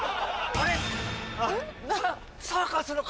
あれ？